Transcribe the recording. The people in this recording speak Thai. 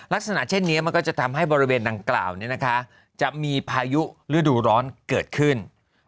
ลักษณะเช่นนี้มันก็จะทำให้บริเวณดังกล่าวจะมีพายุฤดูร้อนเกิดขึ้น